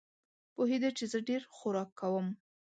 پوهېده چې زه ډېر خوراک کوم.